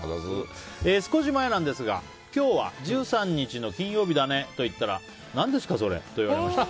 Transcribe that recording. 少し前なんですが、今日は１３日の金曜日だねと言ったら何ですかそれ？と言われました。